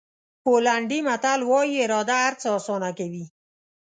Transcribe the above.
پولنډي متل وایي اراده هر څه آسانه کوي.